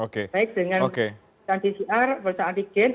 baik dengan pcr pemeriksaan antigen